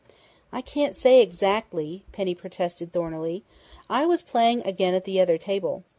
"I can't say exactly!" Penny protested thornily. "I was playing again at the other table.